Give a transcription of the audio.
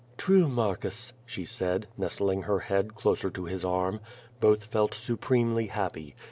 "True, Marcus," she said, nestling her head closer to his arm. Both felt supremely happy.